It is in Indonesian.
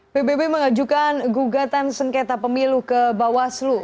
pbb mengajukan gugatan sengketa pemilu ke bawaslu